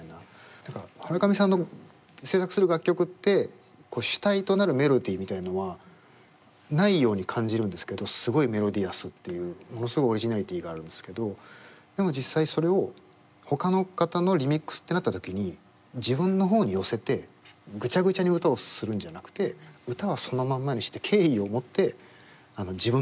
てかハラカミさんの制作する楽曲って主体となるメロディーみたいのはないように感じるんですけどすごいメロディアスっていうものすごいオリジナリティーがあるんですけどでも実際それをほかの方のリミックスってなった時に自分の方に寄せてぐちゃぐちゃに歌をするんじゃなくて歌はそのまんまにして敬意を持って自分の色に変えていくっていう。